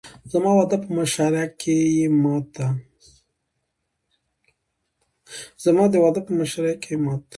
زما د واده په مشاعره کښې يې ما ته